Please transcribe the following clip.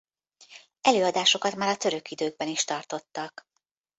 Előadásokat már a török időkben is tartottak.